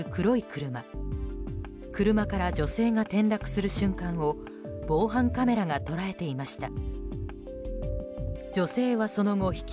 車から女性が転落する瞬間を防犯カメラが捉えていました。